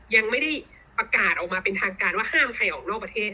ยังไม่ได้ประกาศออกมาเป็นทางการว่าห้ามใครออกนอกประเทศ